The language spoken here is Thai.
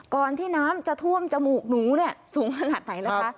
ก่อนที่น้ำจะท่วมจมูกหนูเนี่ยสูงขนาดไหนล่ะคะ